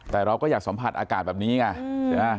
แต่เราก็อยากสัมผัสอากาศแบบนี้ล่ะนะคะ